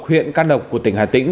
huyện can độc của tỉnh hà tĩnh